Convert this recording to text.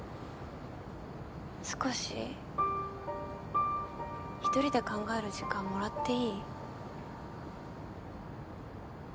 少しひとりで考える時間もらっていい？